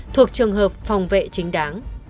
thuộc trường hợp phòng vệ chính đáng